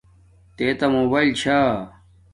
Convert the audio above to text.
تے تا موباݵل چھا